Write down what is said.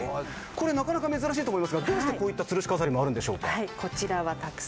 これなかなか珍しいと思いますが、どうしてこういったつるし飾りがあるんでしょうか。